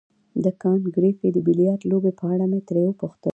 د کانت ګریفي د بیلیارډ لوبې په اړه مې ترې وپوښتل.